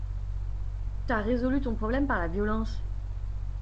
T'as résolu ton problème par la violence.